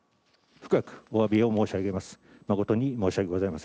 深くおわびを申し上げます